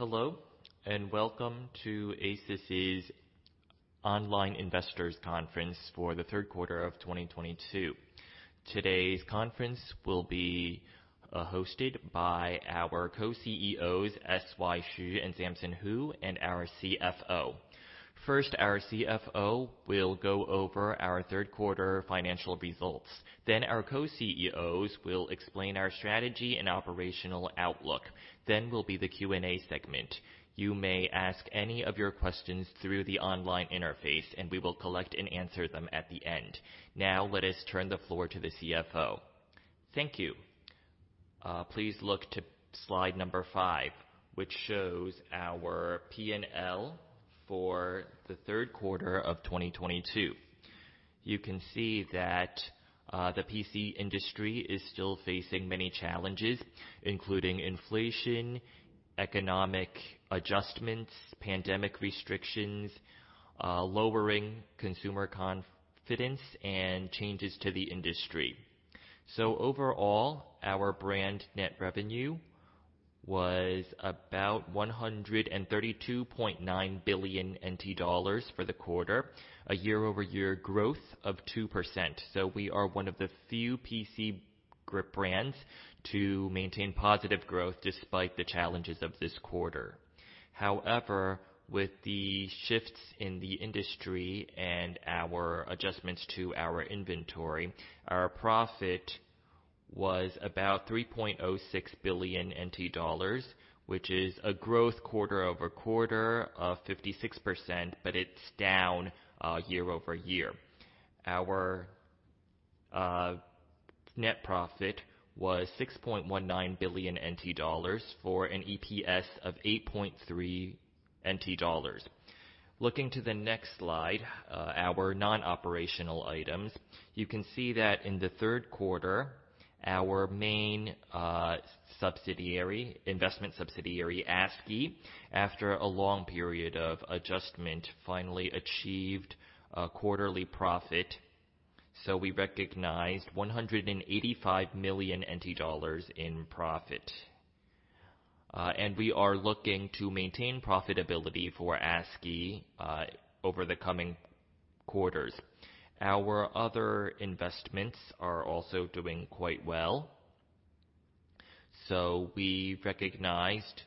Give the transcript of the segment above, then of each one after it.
Hello, and welcome to ASUS's online investors conference for the Q3 of 2022. Today's conference will be hosted by our Co-CEOs, S.Y. Hsu and Samson Hu, and our CFO. First, our CFO will go over our Q3 financial results, then our Co-CEOs will explain our strategy and operational outlook. Will be the Q&A segment. You may ask any of your questions through the online interface, and we will collect and answer them at the end. Now, let us turn the floor to the CFO. Thank you. Please look to slide number five, which shows our P&L for the Q3 of 2022. You can see that the PC industry is still facing many challenges, including inflation, economic adjustments, pandemic restrictions, lowering consumer confidence, and changes to the industry. Overall, our brand net revenue was about 132.9 billion NT dollars for the quarter, a year-over-year growth of 2%. We are one of the few PC group brands to maintain positive growth despite the challenges of this quarter. However, with the shifts in the industry and our adjustments to our inventory, our profit was about 3.06 billion NT dollars, which is a quarter-over-quarter growth of 56%, but it's down year-over-year. Our net profit was 6.19 billion NT dollars for an EPS of 8.3 NT dollars. Looking to the next slide, our non-operational items, you can see that in the Q3, our main investment subsidiary, ASKEY, after a long period of adjustment, finally achieved a quarterly profit. We recognized 185 million NT dollars in profit. We are looking to maintain profitability for ASKEY over the coming quarters. Our other investments are also doing quite well. We recognized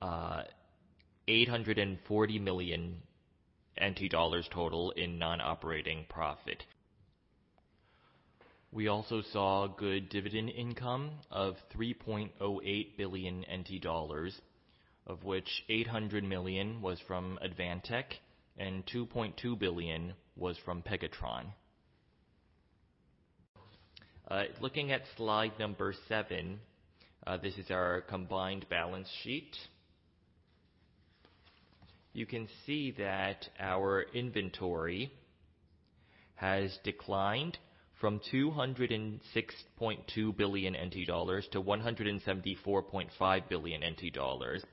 840 million NT dollars total in non-operating profit. We also saw good dividend income of 3.08 billion NT dollars, of which 800 million was from Advantech and 2.2 billion was from Pegatron. Looking at slide seven, this is our combined balance sheet. You can see that our inventory has declined from 206.2 billion NT dollars to 174.5 billion NT dollars.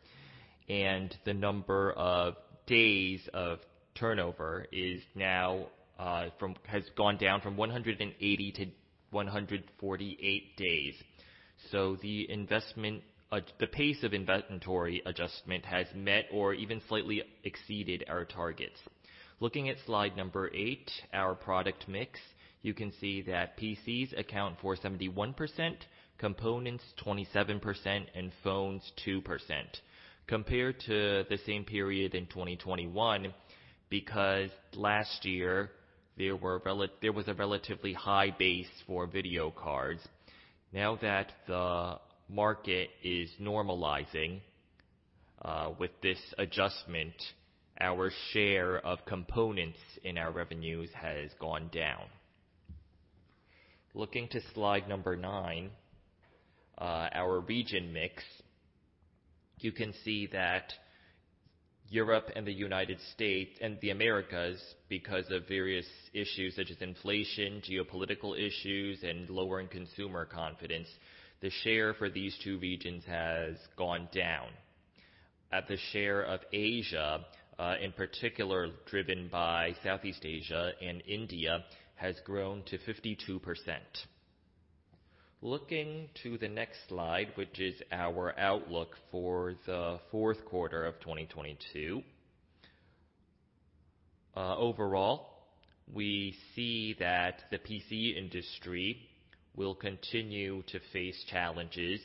The number of days of turnover has gone down from 180-148 days. The pace of inventory adjustment has met or even slightly exceeded our targets. Looking at slide 8, our product mix, you can see that PCs account for 71%, components 27%, and phones 2%. Compared to the same period in 2021, because last year there was a relatively high base for video cards. Now that the market is normalizing, with this adjustment, our share of components in our revenues has gone down. Looking at slide 9, our region mix, you can see that Europe and the United States and the Americas, because of various issues such as inflation, geopolitical issues, and lowering consumer confidence, the share for these two regions has gone down. The share of Asia, in particular driven by Southeast Asia and India, has grown to 52%. Looking to the next slide, which is our outlook for the Q4 of 2022. Overall, we see that the PC industry will continue to face challenges,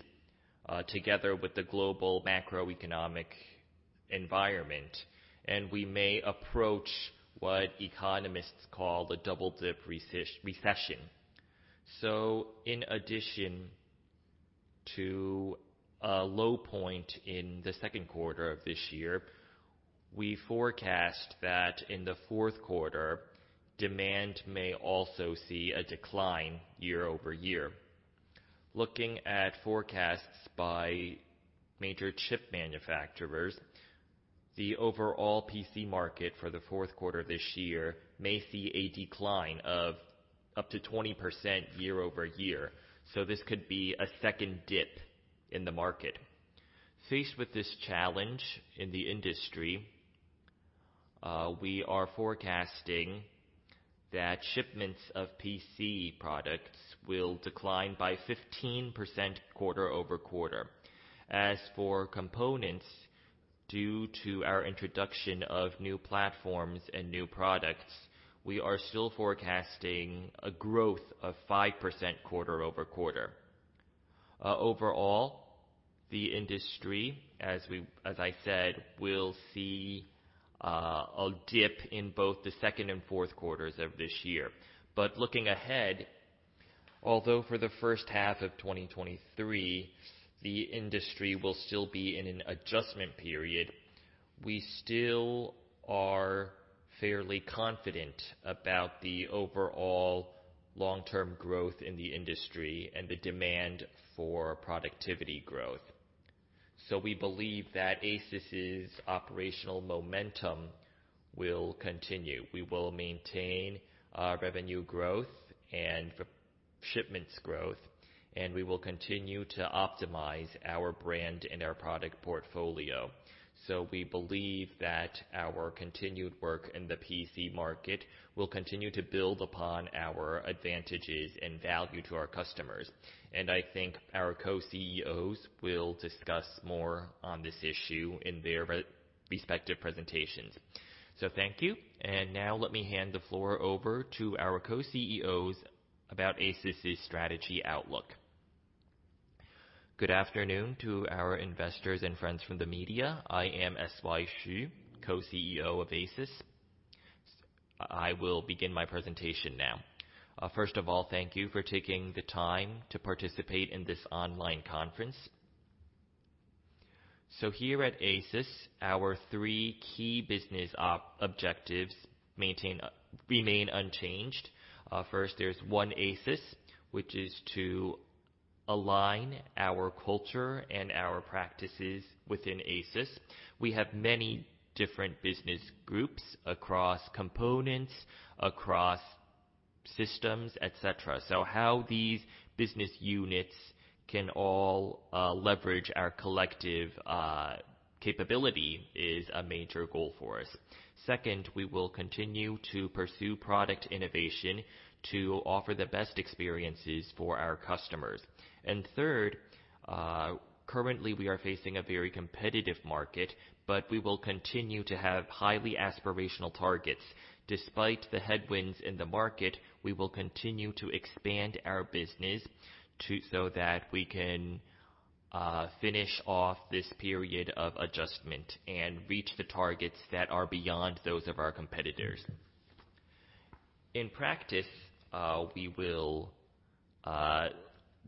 together with the global macroeconomic environment, and we may approach what economists call the double-dip recession. In addition to a low point in the Q2 of this year, we forecast that in the Q4, demand may also see a decline year-over-year. Looking at forecasts by major chip manufacturers, the overall PC market for the Q4 this year may see a decline of up to 20% year-over-year. This could be a second dip in the market. Faced with this challenge in the industry, we are forecasting that shipments of PC products will decline by 15% quarter-over-quarter. As for components, due to our introduction of new platforms and new products, we are still forecasting a growth of 5% quarter-over-quarter. Overall, the industry, as I said, will see a dip in both the second and Q4s of this year. Looking ahead, although for the first half of 2023, the industry will still be in an adjustment period, we still are fairly confident about the overall long-term growth in the industry and the demand for productivity growth. We believe that ASUS's operational momentum will continue. We will maintain our revenue growth and the shipments growth, and we will continue to optimize our brand and our product portfolio. We believe that our continued work in the PC market will continue to build upon our advantages and value to our customers. I think our Co-CEOs will discuss more on this issue in their respective presentations. Thank you. Now let me hand the floor over to our Co-CEOs about ASUS's strategy outlook. Good afternoon to our investors and friends from the media. I am S.Y. Hsu, Co-CEO of ASUS. I will begin my presentation now. First of all, thank you for taking the time to participate in this online conference. Here at ASUS, our three key business objectives maintain remain unchanged. First, there's one ASUS, which is to align our culture and our practices within ASUS. We have many different business groups across components, across systems, et cetera. How these business units can all leverage our collective capability is a major goal for us. Second, we will continue to pursue product innovation to offer the best experiences for our customers. Third, currently we are facing a very competitive market, but we will continue to have highly aspirational targets. Despite the headwinds in the market, we will continue to expand our business so that we can finish off this period of adjustment and reach the targets that are beyond those of our competitors. In practice, we will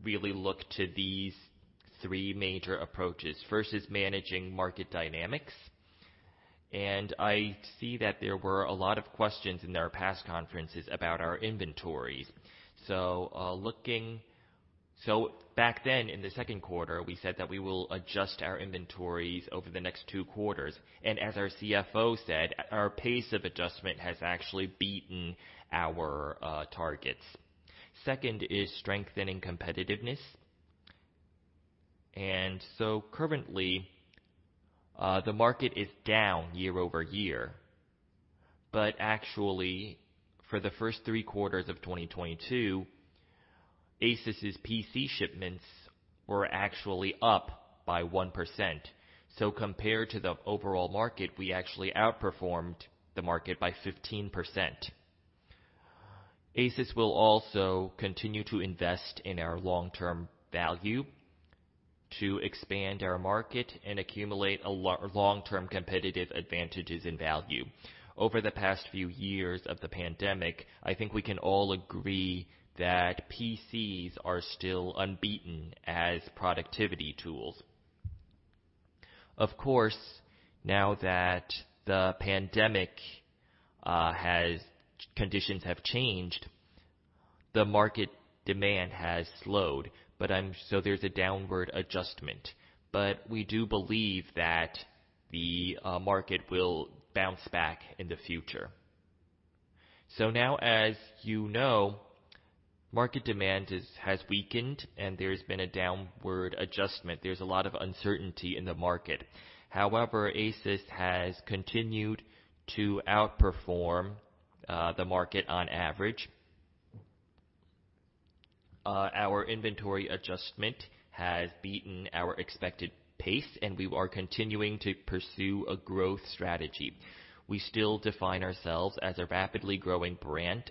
really look to these three major approaches. First is managing market dynamics. I see that there were a lot of questions in our past conferences about our inventories. So back then in the Q2, we said that we will adjust our inventories over the next two quarters. As our CFO said, our pace of adjustment has actually beaten our targets. Second is strengthening competitiveness. Currently, the market is down year-over-year, but actually, for the first three quarters of 2022, ASUS's PC shipments were actually up by 1%. Compared to the overall market, we actually outperformed the market by 15%. ASUS will also continue to invest in our long-term value to expand our market and accumulate a long-term competitive advantages and value. Over the past few years of the pandemic, I think we can all agree that PCs are still unbeaten as productivity tools. Of course, now that the pandemic has conditions have changed, the market demand has slowed. There's a downward adjustment. We do believe that the market will bounce back in the future. Now, as you know, market demand has weakened and there's been a downward adjustment. There's a lot of uncertainty in the market. However, ASUS has continued to outperform the market on average. Our inventory adjustment has beaten our expected pace, and we are continuing to pursue a growth strategy. We still define ourselves as a rapidly growing brand,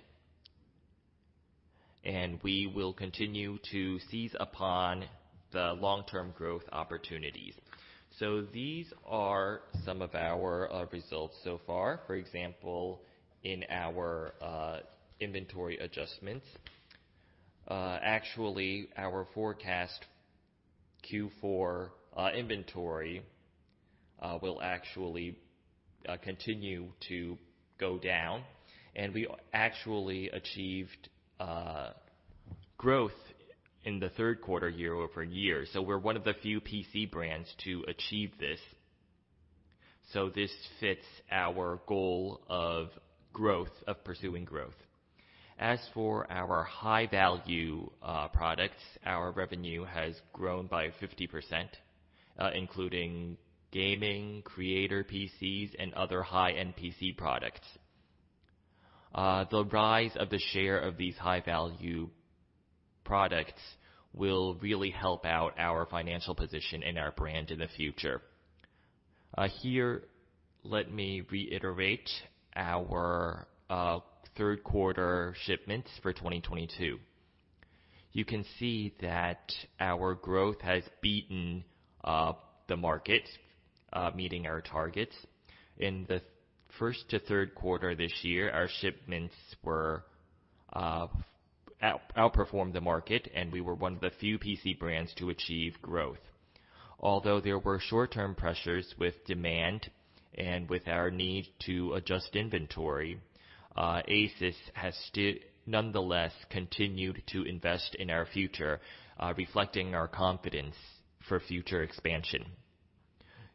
and we will continue to seize upon the long-term growth opportunities. These are some of our results so far. For example, in our inventory adjustments. Actually, our forecast Q4 inventory will actually continue to go down. We actually achieved growth in the Q3 year-over-year. We're one of the few PC brands to achieve this. This fits our goal of growth, of pursuing growth. As for our high-value products, our revenue has grown by 50%, including gaming, creator PCs, and other high-end PC products. The rise of the share of these high-value products will really help out our financial position and our brand in the future. Here, let me reiterate our Q3 shipments for 2022. You can see that our growth has beaten the market, meeting our targets. In the first to Q3 this year, our shipments outperformed the market, and we were one of the few PC brands to achieve growth. Although there were short-term pressures with demand and with our need to adjust inventory, ASUS has nonetheless continued to invest in our future, reflecting our confidence for future expansion.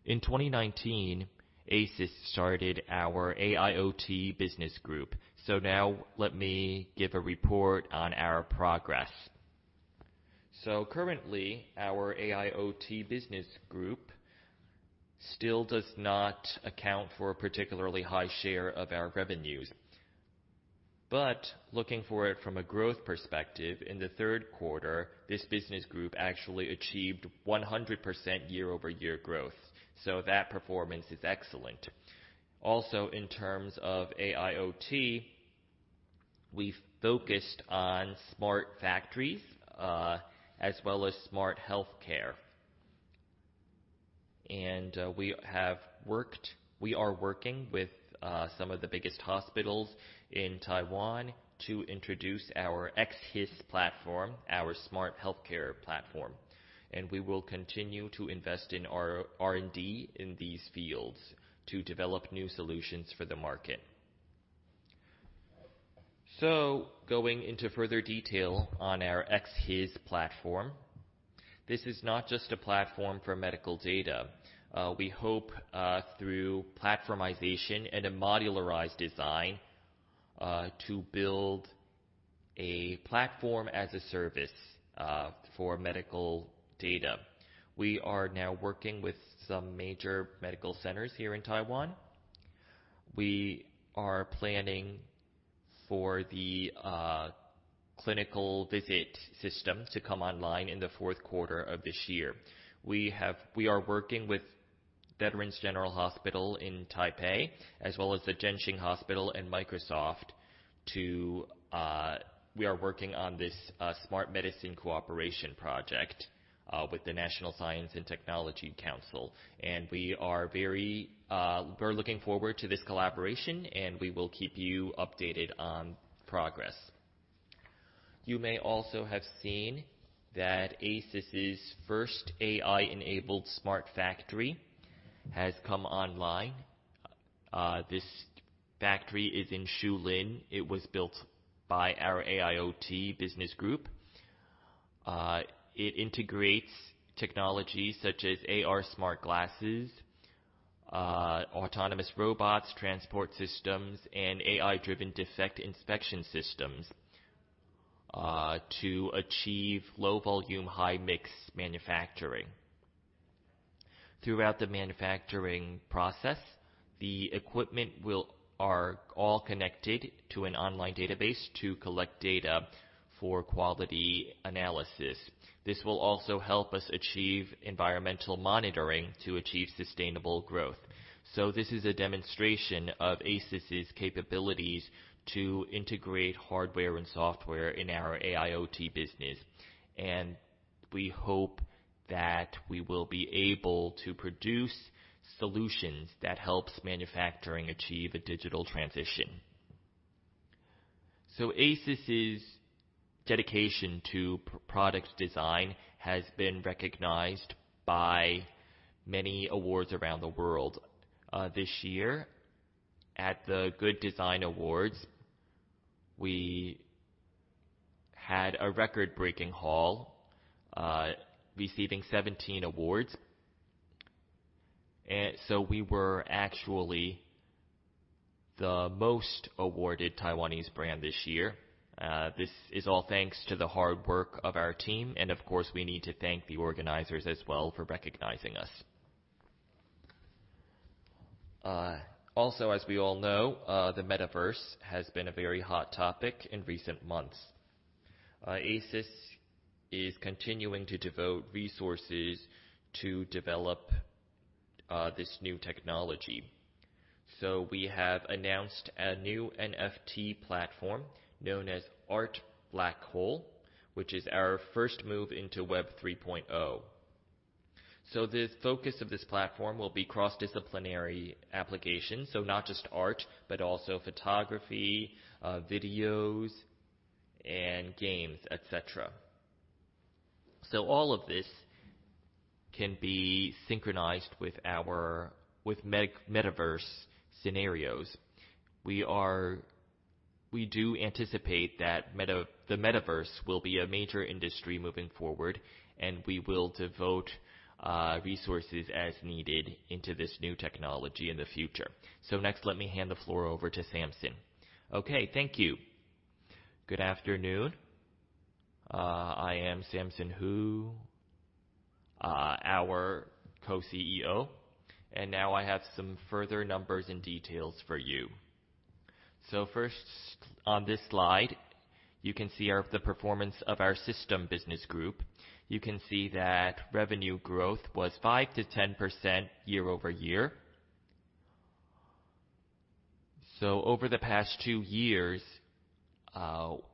In 2019, ASUS started our AIoT business group. Now let me give a report on our progress. Currently, our AIoT business group still does not account for a particularly high share of our revenues. Looking for it from a growth perspective, in the Q3, this business group actually achieved 100% year-over-year growth. That performance is excellent. Also, in terms of AIoT, we focused on smart factories, as well as smart healthcare. We are working with some of the biggest hospitals in Taiwan to introduce our xHIS platform, our smart healthcare platform. We will continue to invest in our R&D in these fields to develop new solutions for the market. Going into further detail on our xHIS platform, this is not just a platform for medical data. We hope through platformization and a modularized design to build a platform as a service for medical data. We are now working with some major medical centers here in Taiwan. We are planning for the clinical visit system to come online in the Q4 of this year. We are working with Taipei Veterans General Hospital, as well as Cheng Hsin General Hospital and Microsoft. We are working on this smart medicine cooperation project with the National Science and Technology Council, and we're looking forward to this collaboration, and we will keep you updated on progress. You may also have seen that ASUS's first AI-enabled smart factory has come online. This factory is in Shulin. It was built by our AIoT business group. It integrates technologies such as AR smart glasses, autonomous robots, transport systems, and AI-driven defect inspection systems to achieve low volume, high mix manufacturing. Throughout the manufacturing process, the equipment are all connected to an online database to collect data for quality analysis. This will also help us achieve environmental monitoring to achieve sustainable growth. This is a demonstration of ASUS's capabilities to integrate hardware and software in our AIoT business. We hope that we will be able to produce solutions that helps manufacturing achieve a digital transition. ASUS's dedication to product design has been recognized by many awards around the world. This year at the Good Design Awards, we had a record-breaking haul, receiving 17 awards. We were actually the most awarded Taiwanese brand this year. This is all thanks to the hard work of our team, and of course, we need to thank the organizers as well for recognizing us. Also, as we all know, the Metaverse has been a very hot topic in recent months. ASUS is continuing to devote resources to develop this new technology. We have announced a new NFT platform known as Art Black Hole, which is our first move into Web 3.0. The focus of this platform will be cross-disciplinary applications. Not just art, but also photography, videos, and games, et cetera. All of this can be synchronized with our Metaverse scenarios. We anticipate that the Metaverse will be a major industry moving forward, and we will devote resources as needed into this new technology in the future. Next, let me hand the floor over to Samson. Okay, thank you. Good afternoon. I am Samson Hu, our Co-CEO, and now I have some further numbers and details for you. First on this slide, you can see our, the performance of our system business group. You can see that revenue growth was 5% to 10% year-over-year. Over the past two years,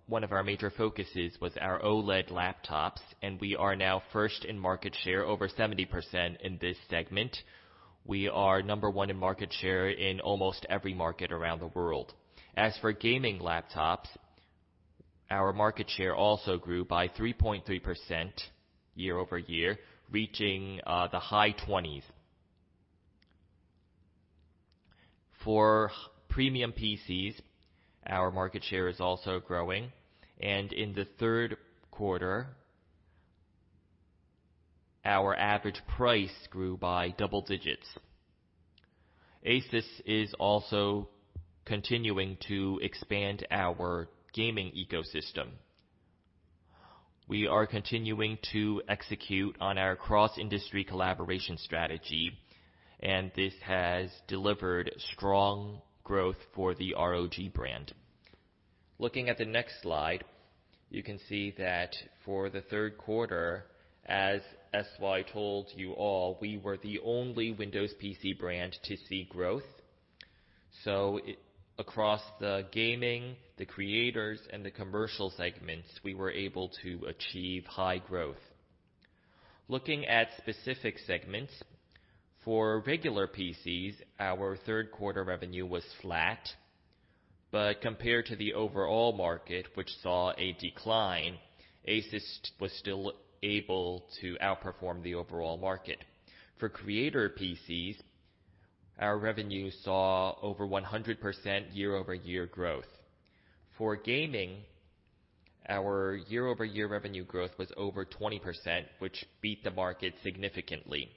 one of our major focuses was our OLED laptops, and we are now first in market share, over 70% in this segment. We are number one in market share in almost every market around the world. As for gaming laptops, our market share also grew by 3.3% year-over-year, reaching the high 20s. For premium PCs, our market share is also growing. In the Q3, our average price grew by double digits. ASUS is also continuing to expand our gaming ecosystem. We are continuing to execute on our cross-industry collaboration strategy, and this has delivered strong growth for the ROG brand. Looking at the next slide, you can see that for the Q3, as SY told you all, we were the only Windows PC brand to see growth. Across the gaming, the creators, and the commercial segments, we were able to achieve high growth. Looking at specific segments, for regular PCs, our Q3 revenue was flat. Compared to the overall market, which saw a decline, ASUS was still able to outperform the overall market. For creator PCs, our revenue saw over 100% year-over-year growth. For gaming, our year-over-year revenue growth was over 20%, which beat the market significantly.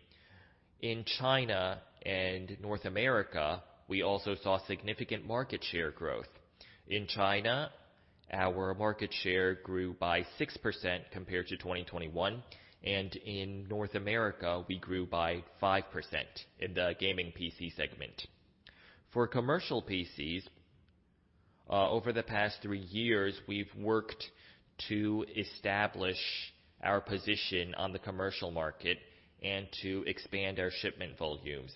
In China and North America, we also saw significant market share growth. In China, our market share grew by 6% compared to 2021, and in North America, we grew by 5% in the gaming PC segment. For commercial PCs, over the past 3 years, we've worked to establish our position on the commercial market and to expand our shipment volumes.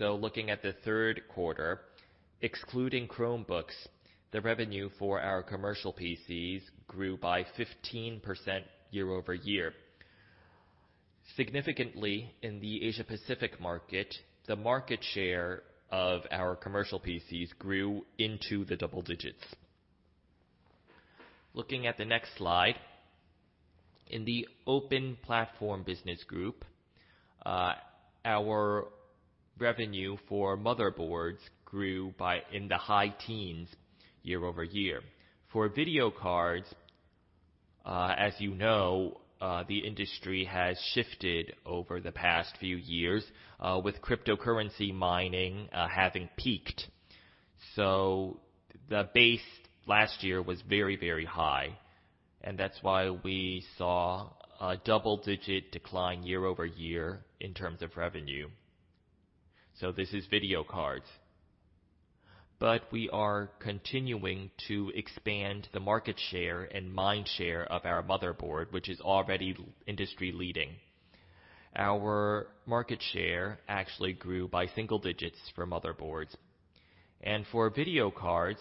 Looking at the Q3, excluding Chromebooks, the revenue for our commercial PCs grew by 15% year-over-year. Significantly, in the Asia-Pacific market, the market share of our commercial PCs grew into the double digits. Looking at the next slide, in the open platform business group, our revenue for motherboards grew by in the high teens year-over-year. For video cards, as you know, the industry has shifted over the past few years, with cryptocurrency mining having peaked. The base last year was very, very high, and that's why we saw a double-digit decline year-over-year in terms of revenue. This is video cards. But we are continuing to expand the market share and mind share of our motherboard, which is already industry-leading. Our market share actually grew by single digits for motherboards. For video cards,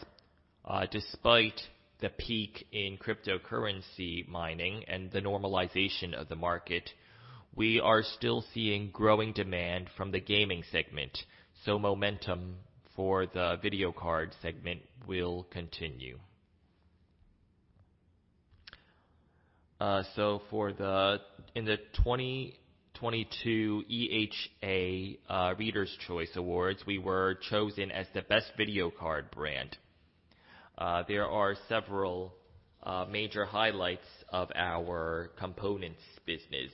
despite the peak in cryptocurrency mining and the normalization of the market, we are still seeing growing demand from the gaming segment. Momentum for the video card segment will continue. In the 2022 EHA Reader's Choice Awards, we were chosen as the best video card brand. There are several major highlights of our components business.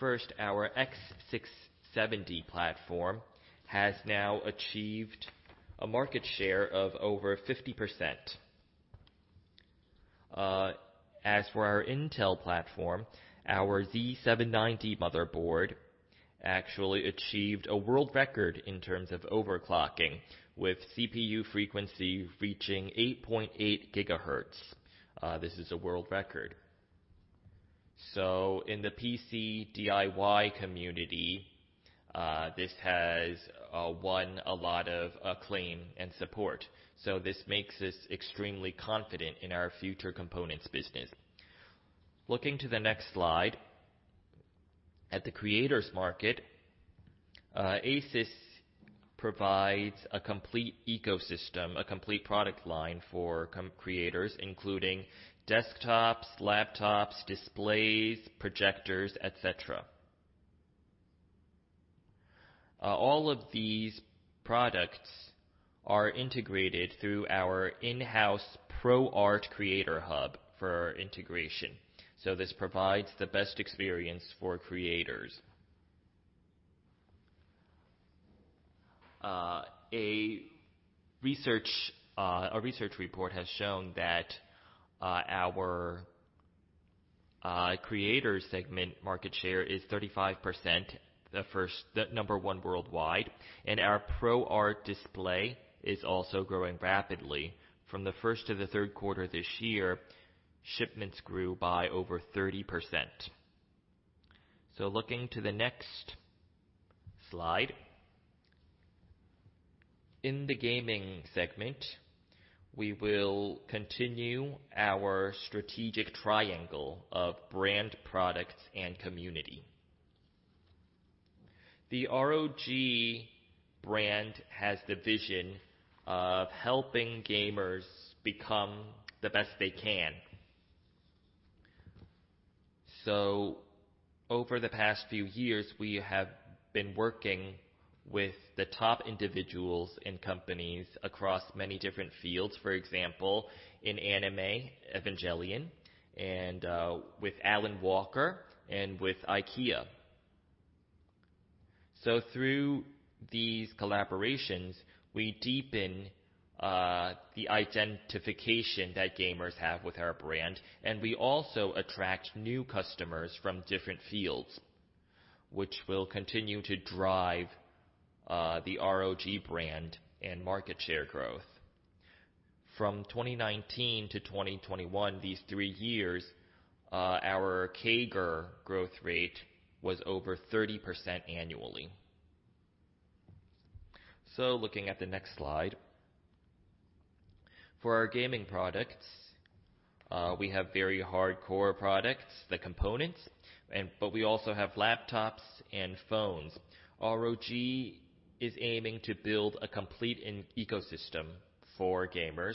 First, our X670 platform has now achieved a market share of over 50%. As for our Intel platform, our Z790 motherboard actually achieved a world record in terms of overclocking, with CPU frequency reaching 8.8 GHz. This is a world record. In the PC DIY community, this has won a lot of acclaim and support. This makes us extremely confident in our future components business. Looking to the next slide, at the creators market, ASUS provides a complete ecosystem, a complete product line for creators, including desktops, laptops, displays, projectors, et cetera. All of these products are integrated through our in-house ProArt Creator Hub for integration. This provides the best experience for creators. A research report has shown that our creator segment market share is 35%, the number one worldwide. Our ProArt display is also growing rapidly. From the first to the Q3 this year, shipments grew by over 30%. Looking to the next slide. In the gaming segment, we will continue our strategic triangle of brand, products, and community. The ROG brand has the vision of helping gamers become the best they can. Over the past few years, we have been working with the top individuals and companies across many different fields. For example, in anime, Evangelion, and with Alan Walker and with IKEA. Through these collaborations, we deepen the identification that gamers have with our brand, and we also attract new customers from different fields, which will continue to drive the ROG brand and market share growth. From 2019 to 2021, these three years, our CAGR growth rate was over 30% annually. Looking to the next slide. For our gaming products, we have very hardcore products, the components, but we also have laptops and phones. ROG is aiming to build a complete ecosystem for gamers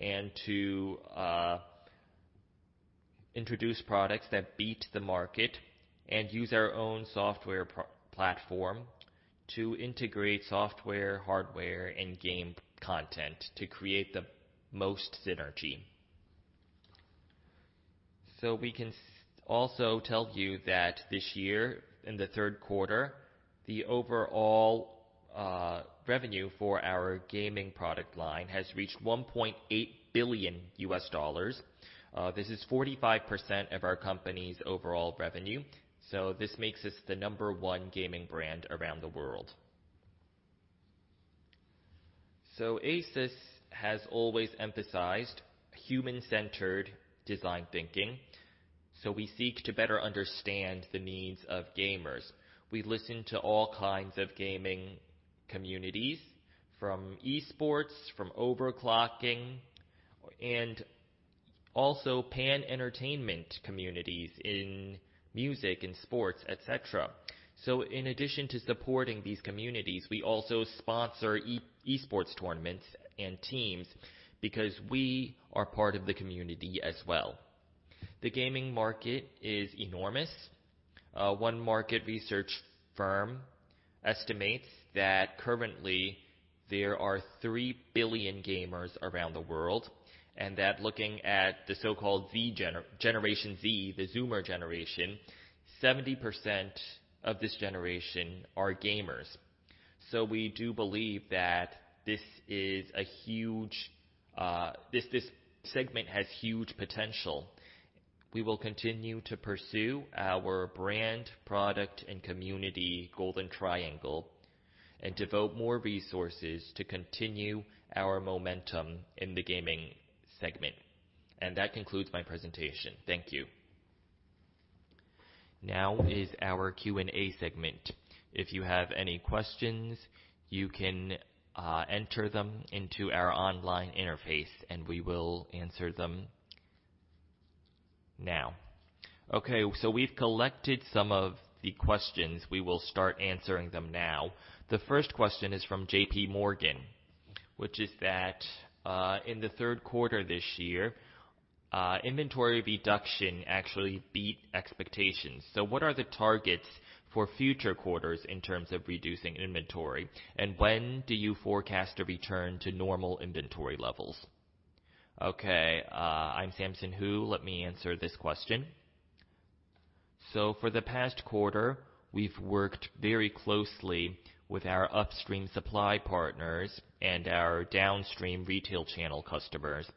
and to introduce products that beat the market and use our own software pro-platform to integrate software, hardware, and game content to create the most synergy. We can also tell you that this year in the Q3, the overall revenue for our gaming product line has reached $1.8 billion. This is 45% of our company's overall revenue, so this makes us the number one gaming brand around the world. ASUS has always emphasized human-centered design thinking, so we seek to better understand the needs of gamers. We listen to all kinds of gaming communities, from e-sports, from overclocking, and also pan-entertainment communities in music and sports, et cetera. In addition to supporting these communities, we also sponsor e-sports tournaments and teams because we are part of the community as well. The gaming market is enormous. One market research firm estimates that currently there are 3 billion gamers around the world, and that looking at the so-called Z, generation Z, the Zoomer generation, 70% of this generation are gamers. We do believe that this is a huge, this segment has huge potential. We will continue to pursue our brand, product, and community golden triangle and devote more resources to continue our momentum in the gaming segment. That concludes my presentation. Thank you. Now is our Q&A segment. If you have any questions, you can enter them into our online interface, and we will answer them now. Okay, we've collected some of the questions. We will start answering them now. The first question is from JPMorgan, which is that, in the Q3 this year, inventory reduction actually beat expectations. What are the targets for future quarters in terms of reducing inventory? And when do you forecast a return to normal inventory levels? Okay, I'm Samson Hu. Let me answer this question. For the past quarter, we've worked very closely with our upstream supply partners and our downstream retail channel customers.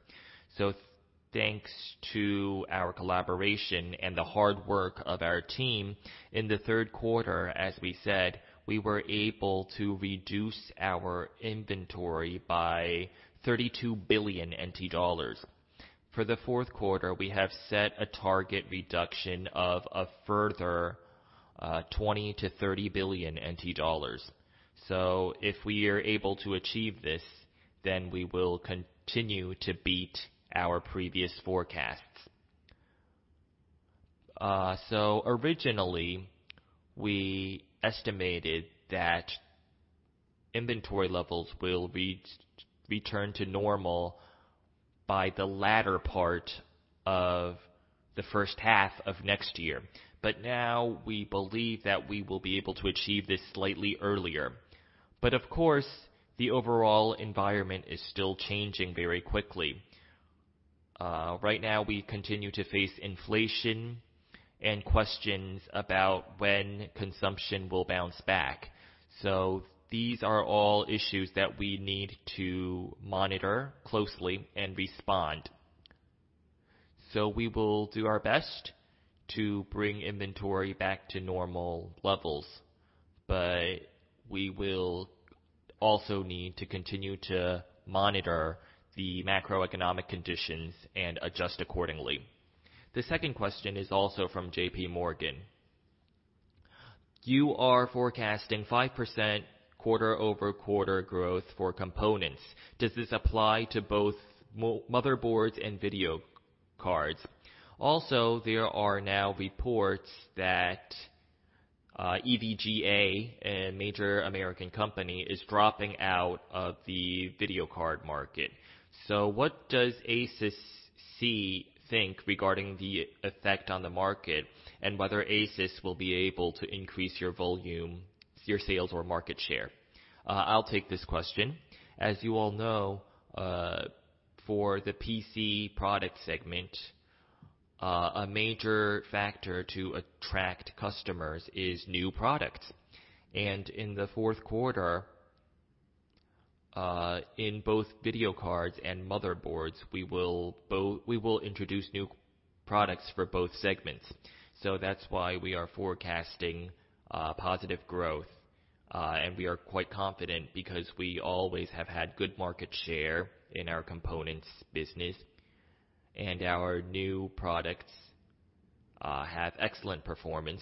Thanks to our collaboration and the hard work of our team, in the Q3, as we said, we were able to reduce our inventory by 32 billion NT dollars. For the Q4, we have set a target reduction of a further 20-30 billion NT dollars. If we are able to achieve this, then we will continue to beat our previous forecasts. Originally, we estimated that inventory levels will return to normal by the latter part of the first half of next year. Now we believe that we will be able to achieve this slightly earlier. Of course, the overall environment is still changing very quickly. Right now we continue to face inflation and questions about when consumption will bounce back. These are all issues that we need to monitor closely and respond. We will do our best to bring inventory back to normal levels, but we will also need to continue to monitor the macroeconomic conditions and adjust accordingly. The second question is also from JPMorgan. You are forecasting 5% quarter-over-quarter growth for components. Does this apply to both motherboards and video cards? Also, there are now reports that EVGA, a major American company, is dropping out of the video card market. What does ASUS see, think regarding the effect on the market and whether ASUS will be able to increase your volume, your sales or market share? I'll take this question. As you all know, for the PC product segment, a major factor to attract customers is new products. In the Q4, in both video cards and motherboards, we will introduce new products for both segments. That's why we are forecasting positive growth. We are quite confident because we always have had good market share in our components business, and our new products have excellent performance,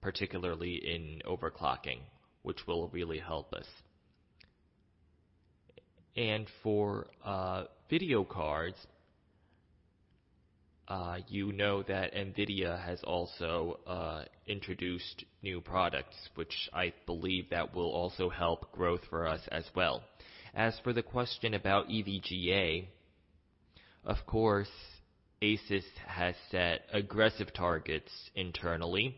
particularly in overclocking, which will really help us. For video cards, you know that NVIDIA has also introduced new products, which I believe that will also help growth for us as well. As for the question about EVGA, of course, ASUS has set aggressive targets internally.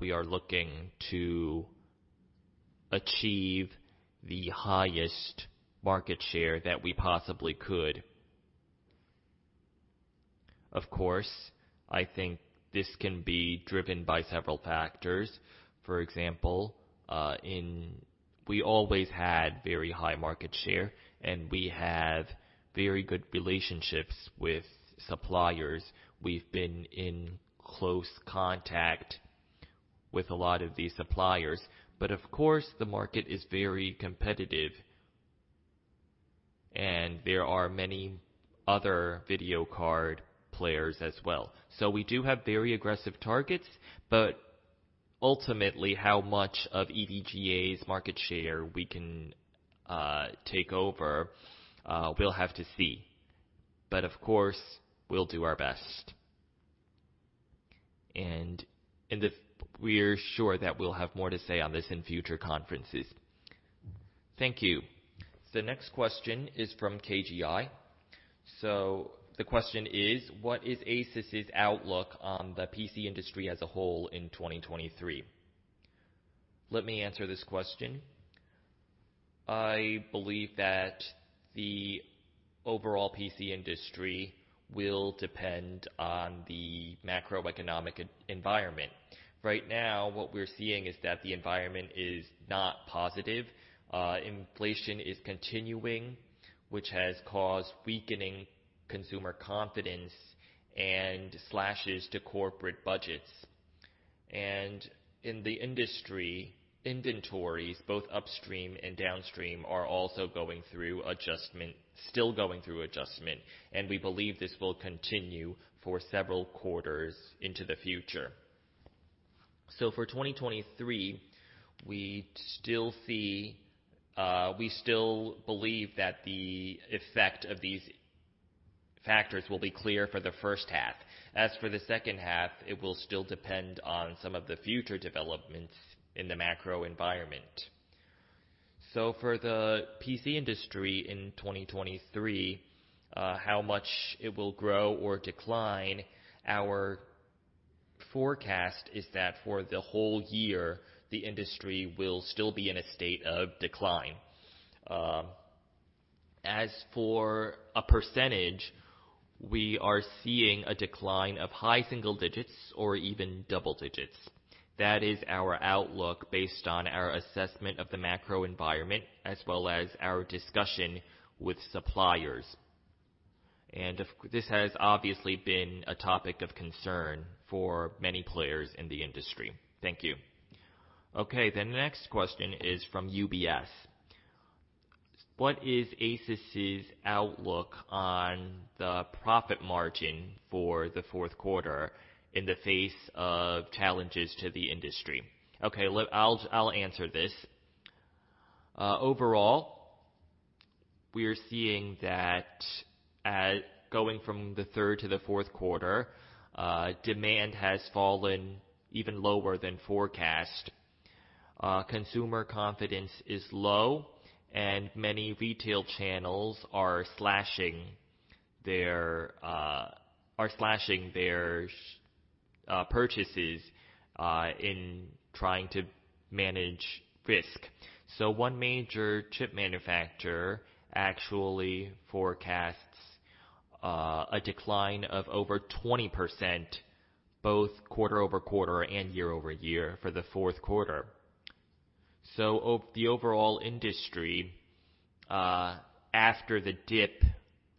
We are looking to achieve the highest market share that we possibly could. Of course, I think this can be driven by several factors. For example, we always had very high market share, and we have very good relationships with suppliers. We've been in close contact with a lot of these suppliers. Of course, the market is very competitive, and there are many other video card players as well. We do have very aggressive targets, but ultimately how much of EVGA's market share we can take over, we'll have to see. Of course, we'll do our best. We're sure that we'll have more to say on this in future conferences. Thank you. The next question is from KGI. The question is, what is ASUS's outlook on the PC industry as a whole in 2023? Let me answer this question. I believe that the overall PC industry will depend on the macroeconomic environment. Right now, what we're seeing is that the environment is not positive. Inflation is continuing, which has caused weakening consumer confidence and slashes to corporate budgets. In the industry, inventories, both upstream and downstream, are also going through adjustment, and we believe this will continue for several quarters into the future. For 2023, we still see, we still believe that the effect of these factors will be clear for the first half. As for the second half, it will still depend on some of the future developments in the macro environment. For the PC industry in 2023, how much it will grow or decline, our forecast is that for the whole year, the industry will still be in a state of decline. As for a percentage, we are seeing a decline of high single digits or even double digits. That is our outlook based on our assessment of the macro environment as well as our discussion with suppliers. This has obviously been a topic of concern for many players in the industry. Thank you. Okay. The next question is from UBS. What is ASUS's outlook on the profit margin for the Q4 in the face of challenges to the industry? Okay. I'll answer this. Overall, we are seeing that, going from the third to the Q4, demand has fallen even lower than forecast. Consumer confidence is low and many retail channels are slashing their purchases in trying to manage risk. One major chip manufacturer actually forecasts a decline of over 20%, both quarter-over-quarter and year-over-year for the Q4. Overall, the industry after the dip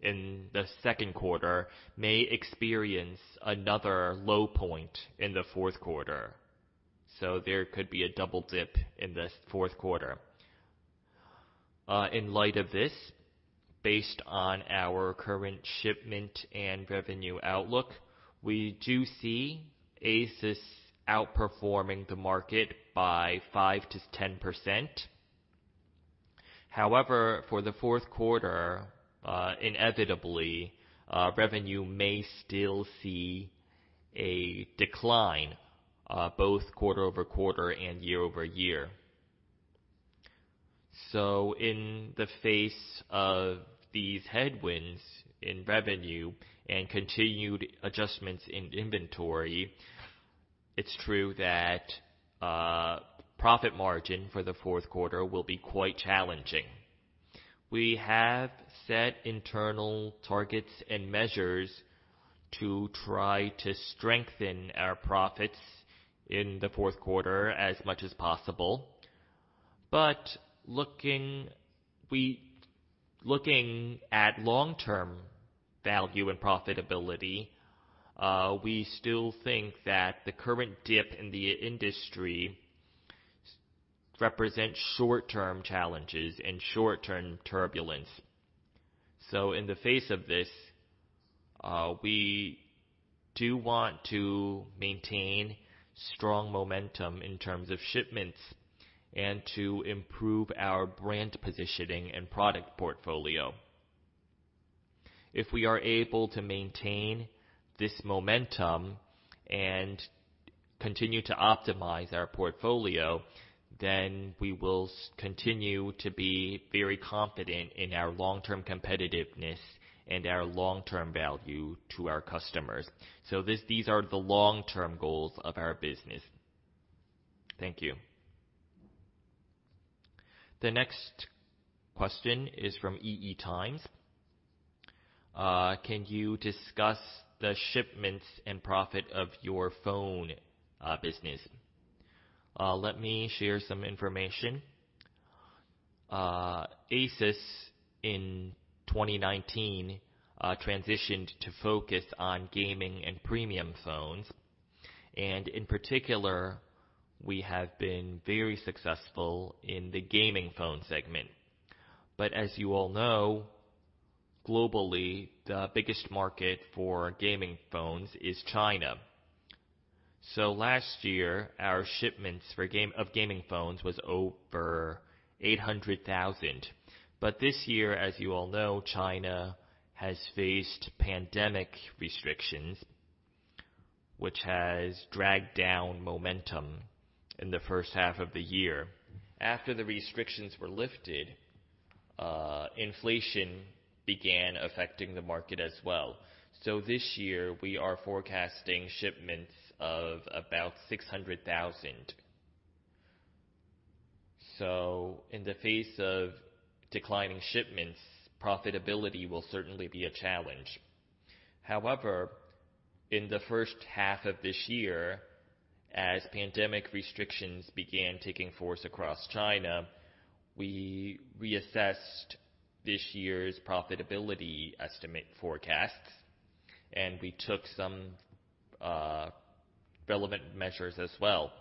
in the Q2 may experience another low point in the Q4. There could be a double dip in the Q4. In light of this, based on our current shipment and revenue outlook, we do see ASUS outperforming the market by 5% to 10%. However, for the Q4, inevitably, revenue may still see a decline, both quarter-over-quarter and year-over-year. In the face of these headwinds in revenue and continued adjustments in inventory, it's true that profit margin for the Q4 will be quite challenging. We have set internal targets and measures to try to strengthen our profits in the Q4 as much as possible. Looking at long-term value and profitability, we still think that the current dip in the industry represents short-term challenges and short-term turbulence. In the face of this, we do want to maintain strong momentum in terms of shipments and to improve our brand positioning and product portfolio. If we are able to maintain this momentum and continue to optimize our portfolio, we will continue to be very confident in our long-term competitiveness and our long-term value to our customers. These are the long-term goals of our business. Thank you. The next question is from EE Times. Can you discuss the shipments and profit of your phone business? Let me share some information. ASUS in 2019 transitioned to focus on gaming and premium phones, and in particular, we have been very successful in the gaming phone segment. As you all know, globally, the biggest market for gaming phones is China. Last year, our shipments of gaming phones was over 800,000. This year, as you all know, China has faced pandemic restrictions, which has dragged down momentum in the first half of the year. After the restrictions were lifted, inflation began affecting the market as well. This year, we are forecasting shipments of about 600,000. In the face of declining shipments, profitability will certainly be a challenge. However, in the first half of this year, as pandemic restrictions began taking force across China, we reassessed this year's profitability estimate forecasts, and we took some relevant measures as well.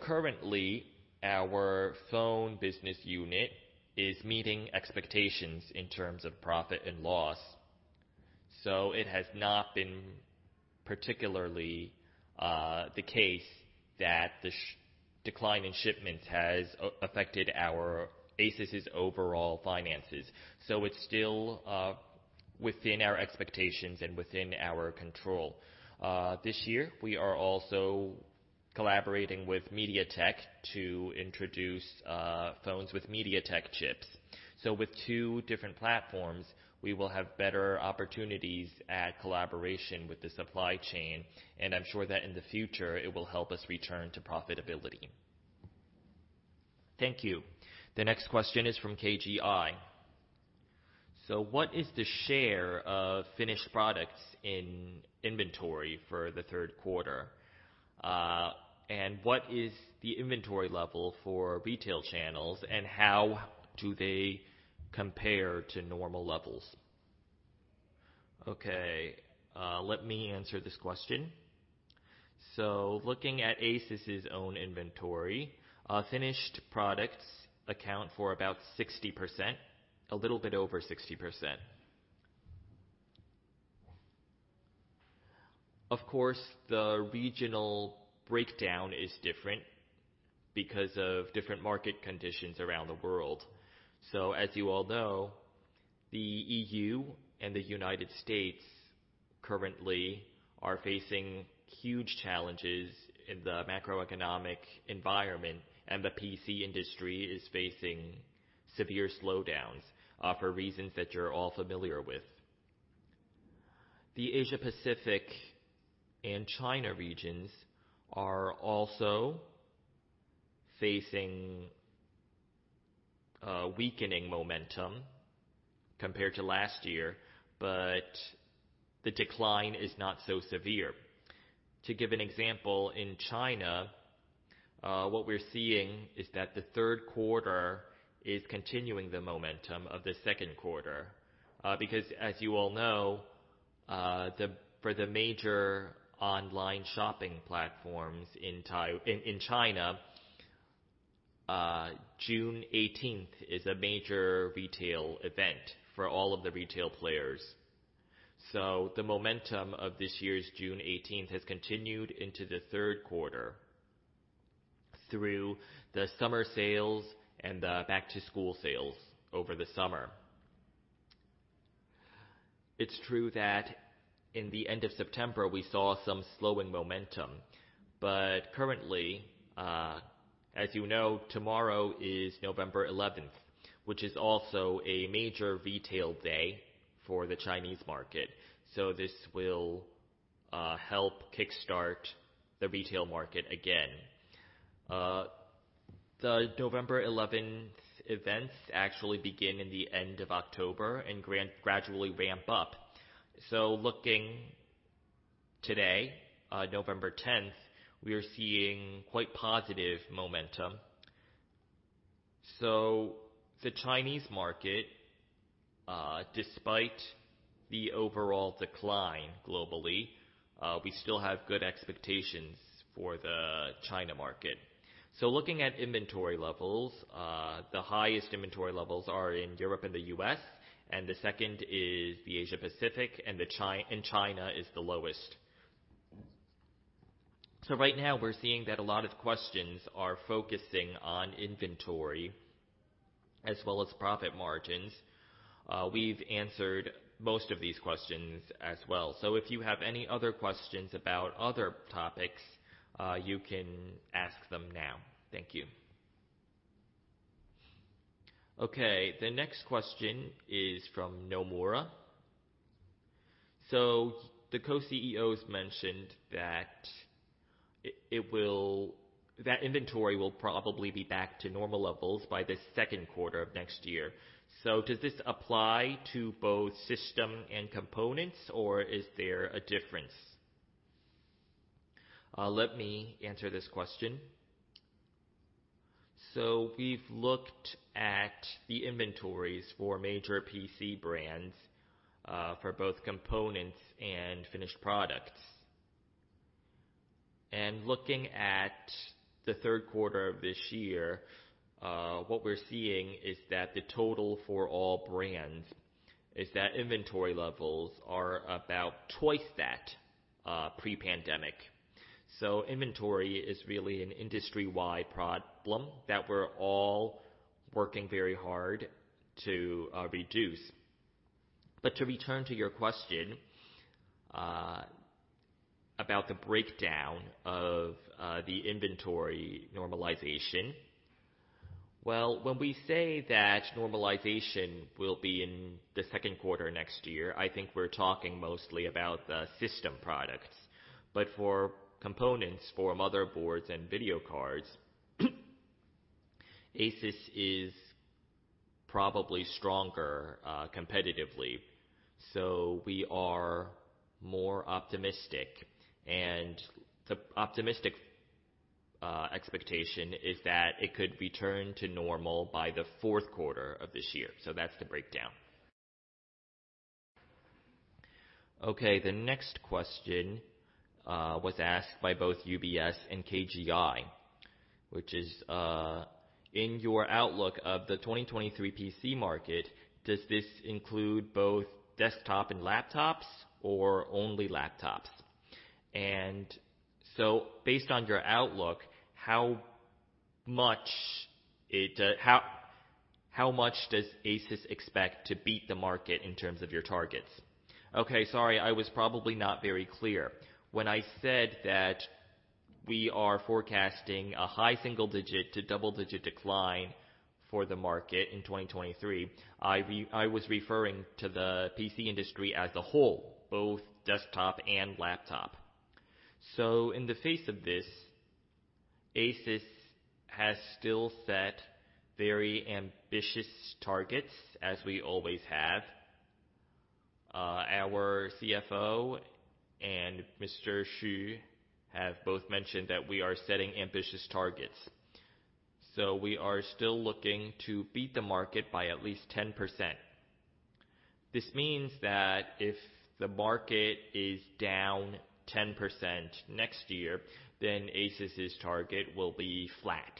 Currently, our phone business unit is meeting expectations in terms of profit and loss. It has not been particularly the case that the decline in shipments has affected ASUS's overall finances. It's still within our expectations and within our control. This year, we are also collaborating with MediaTek to introduce phones with MediaTek chips. With two different platforms, we will have better opportunities at collaboration with the supply chain, and I'm sure that in the future, it will help us return to profitability. Thank you. The next question is from KGI. What is the share of finished products in inventory for the Q3? What is the inventory level for retail channels, and how do they compare to normal levels? Let me answer this question. Looking at ASUS' own inventory, finished products account for about 60%, a little bit over 60%. Of course, the regional breakdown is different because of different market conditions around the world. As you all know, the E.U. and the United States. Currently are facing huge challenges in the macroeconomic environment, and the PC industry is facing severe slowdowns, for reasons that you're all familiar with. The Asia-Pacific and China regions are also facing, weakening momentum compared to last year, but the decline is not so severe. To give an example, in China, what we're seeing is that the Q3 is continuing the momentum of the Q2. Because as you all know, for the major online shopping platforms in China, June 18th is a major retail event for all of the retail players. The momentum of this year's June 18th has continued into the Q3 through the summer sales and the back-to-school sales over the summer. It's true that in the end of September, we saw some slowing momentum, but currently, as you know, tomorrow is November 11th, which is also a major retail day for the Chinese market. This will help kickstart the retail market again. The November 11th events actually begin in the end of October and gradually ramp up. Looking today, November 10th, we are seeing quite positive momentum. The Chinese market, despite the overall decline globally, we still have good expectations for the China market. Looking at inventory levels, the highest inventory levels are in Europe and the U.S., and the second is the Asia-Pacific, and China is the lowest. Right now we're seeing that a lot of questions are focusing on inventory as well as profit margins. We've answered most of these questions as well. If you have any other questions about other topics, you can ask them now. Thank you. Okay. The next question is from Nomura. The co-CEOs mentioned that inventory will probably be back to normal levels by the Q2 of next year. Does this apply to both system and components, or is there a difference? Let me answer this question. We've looked at the inventories for major PC brands, for both components and finished products. Looking at the Q3 of this year, what we're seeing is that the total for all brands is that inventory levels are about twice that pre-pandemic. Inventory is really an industry-wide problem that we're all working very hard to reduce. To return to your question about the breakdown of the inventory normalization. Well, when we say that normalization will be in the Q2 next year, I think we're talking mostly about the system products, but for components, for motherboards and video cards, ASUS is probably stronger competitively, so we are more optimistic. The optimistic expectation is that it could return to normal by the Q4 of this year. That's the breakdown. Okay. The next question was asked by both UBS and KGI, which is, in your outlook of the 2023 PC market, does this include both desktop and laptops or only laptops? Based on your outlook, how much does ASUS expect to beat the market in terms of your targets? Okay. Sorry, I was probably not very clear. When I said that we are forecasting a high single-digit to double-digit decline for the market in 2023, I was referring to the PC industry as a whole, both desktop and laptop. In the face of this, ASUS has still set very ambitious targets, as we always have. Our CFO and Mr. Hsu have both mentioned that we are setting ambitious targets, so we are still looking to beat the market by at least 10%. This means that if the market is down 10% next year, then ASUS's target will be flat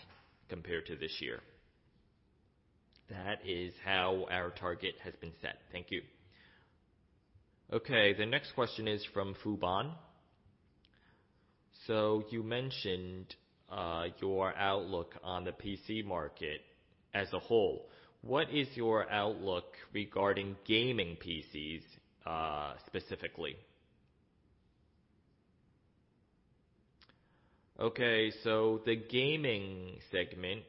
compared to this year. That is how our target has been set. Thank you. Okay. The next question is from Fubon. You mentioned your outlook on the PC market as a whole. What is your outlook regarding gaming PCs, specifically? Okay. The gaming segment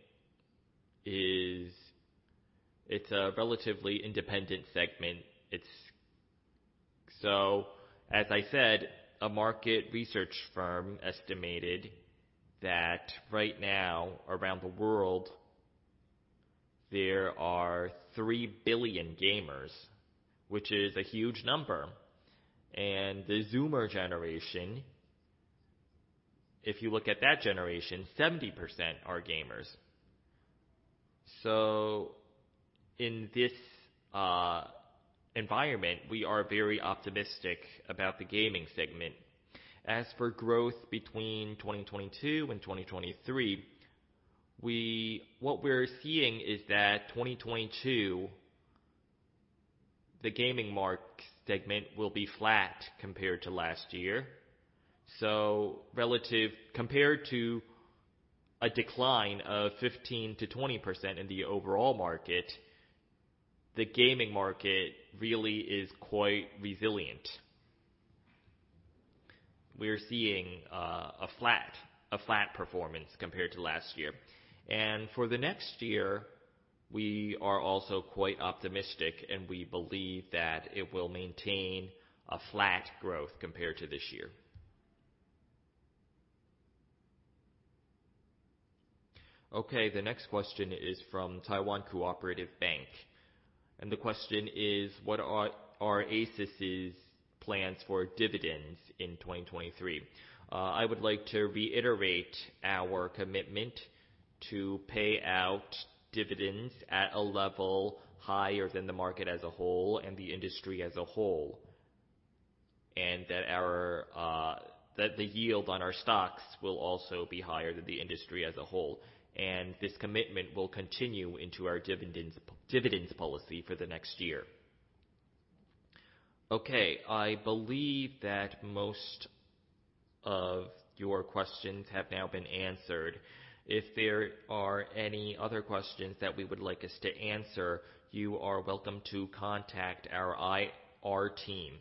is a relatively independent segment. As I said, a market research firm estimated that right now around the world, there are 3 billion gamers, which is a huge number. The Zoomer generation, if you look at that generation, 70% are gamers. In this environment, we are very optimistic about the gaming segment. As for growth between 2022 and 2023, what we're seeing is that 2022, the gaming market segment will be flat compared to last year. Compared to a decline of 15% to 20% in the overall market, the gaming market really is quite resilient. We're seeing a flat performance compared to last year. For the next year, we are also quite optimistic, and we believe that it will maintain a flat growth compared to this year. Okay, the next question is from Taiwan Cooperative Bank, and the question is, "What are ASUS's plans for dividends in 2023?" I would like to reiterate our commitment to pay out dividends at a level higher than the market as a whole and the industry as a whole. That the yield on our stocks will also be higher than the industry as a whole, and this commitment will continue into our dividends policy for the next year. Okay, I believe that most of your questions have now been answered. If there are any other questions that we would like us to answer, you are welcome to contact our IR team.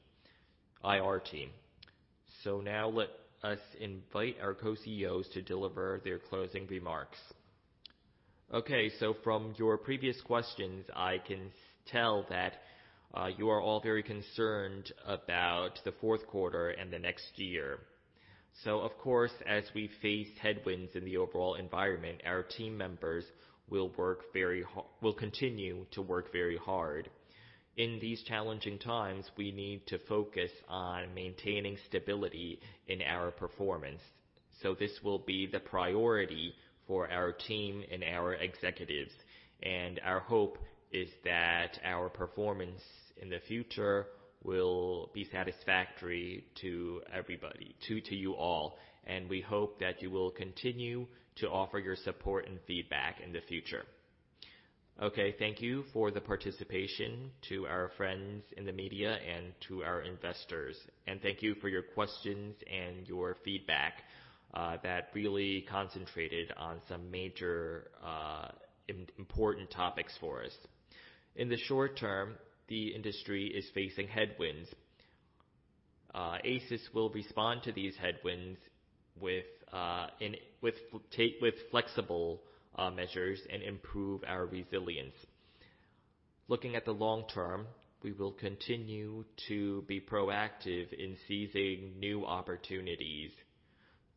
Now let us invite our co-CEOs to deliver their closing remarks. Okay. From your previous questions, I can tell that you are all very concerned about the Q4 and the next year. Of course, as we face headwinds in the overall environment, our team members will continue to work very hard. In these challenging times, we need to focus on maintaining stability in our performance. This will be the priority for our team and our executives. Our hope is that our performance in the future will be satisfactory to everybody, to you all, and we hope that you will continue to offer your support and feedback in the future. Okay. Thank you for the participation to our friends in the media and to our investors, and thank you for your questions and your feedback, that really concentrated on some major, important topics for us. In the short term, the industry is facing headwinds. ASUS will respond to these headwinds with flexible measures and improve our resilience. Looking at the long term, we will continue to be proactive in seizing new opportunities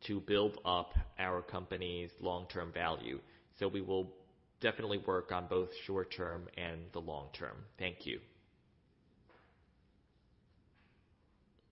to build up our company's long-term value. We will definitely work on both short-term and the long term. Thank you.